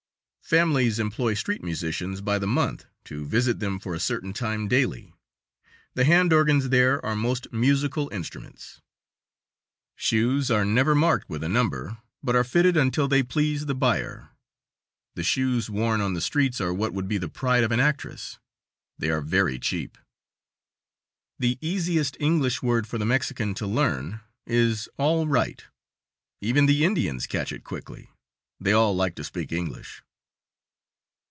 Families employ street musicians by the month, to visit them for a certain time daily. The hand organs there are most musical instruments. Shoes are never marked with a number, but are fitted until they please the buyer. The shoes worn on the street are what would be the pride of an actress. They are very cheap. The easiest English word for the Mexican to learn is "all right." Even the Indians catch it quickly. They all like to speak English.